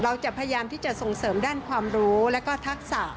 เราจะพยายามที่จะส่งเสริมด้านความรู้แล้วก็ทักษะ